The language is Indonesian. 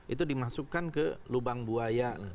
itu dimasukkan ke lubang buaya